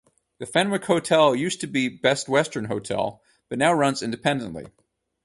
The Fenwick Hotel used to be Best Western Hotel but now runs independently.